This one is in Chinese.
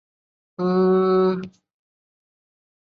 小鼩鼱为鼩鼱科鼩鼱属的动物。